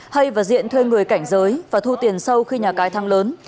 hay và diện thuê người cảnh giới và thu tiền sâu khi nhà cái thăng lớn